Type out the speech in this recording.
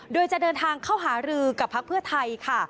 โดยจะเดินทางเข้าหารือกับพักเพื่อไทยค่ะ